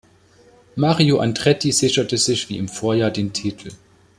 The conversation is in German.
Mario Andretti sicherte sich wie im Vorjahr den Titel.